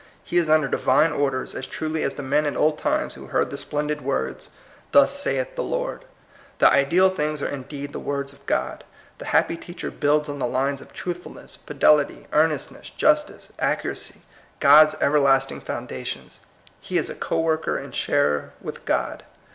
He is under Divine orders as truly as the men in old times who heard the splendid words, "Thus saith the Lord." The ideal things are indeed the words of God. The happy teacher builds on the lines of truth fulness, fidelity, earnestness, justice, accu racy, God's everlasting foundations. He is a co worker and sharer with God.